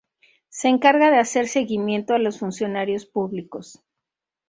Se encarga de hacer seguimiento a los funcionarios públicos.